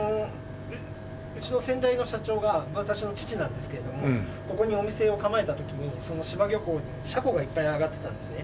うちの先代の社長が私の父なんですけれどもここにお店を構えた時にそこの柴漁港にシャコがいっぱい揚がってたんですね。